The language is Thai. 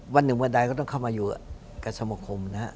วันหนึ่งวันใดก็ต้องเข้ามาอยู่กับสมคมนะฮะ